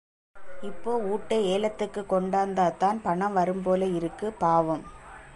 இப்போ ஊட்டே ஏலத்துக்குக் கொண்டாந்தாத்தான் பணம் வரும்போல இருக்கு, பாவம்!